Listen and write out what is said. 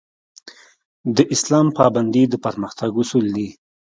د اسلام پابندي د پرمختګ اصول دي